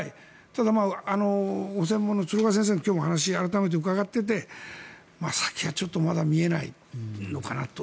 ただ、ご専門の鶴岡先生の話を今日改めて伺っていて先がちょっとまだ見えないのかなと。